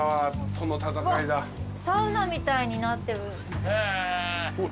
サウナみたいになってる。